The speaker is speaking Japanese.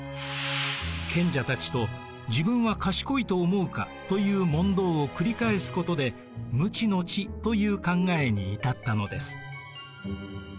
賢者たちと「自分は賢いと思うか？」という問答を繰り返すことで「無知の知」という考えに至ったのです。